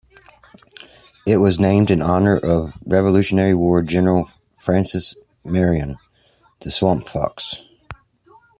It was named in honor of Revolutionary War General Francis Marion, the "Swamp Fox".